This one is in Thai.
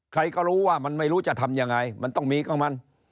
ใครก็รู้ว่ามันไม่รู้จะทำยังไงมันต้องมีก็มัน